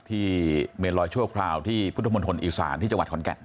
เมนลอยชั่วคราวที่พุทธมนตรอีสานที่จังหวัดขอนแก่น